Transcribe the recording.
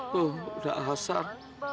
tuh udah hasrat